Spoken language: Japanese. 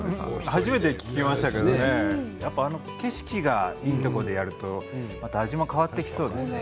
初めて聞きましたけどあの景色がいいところでやるとまた味も変わっていきそうですね。